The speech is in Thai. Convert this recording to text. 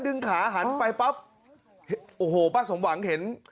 ดึงขาหันไปปั๊บโอ้โหป้าสมหวังเห็น